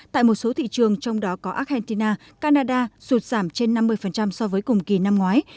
tại một số thị trường trong đó có argentina canada sụt giảm trên năm mươi so với cùng kỳ năm ngoái